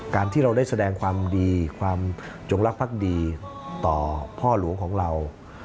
การที่เราได้แสดงความดีความจงรักภักดีต่อพ่อหลวงของเรา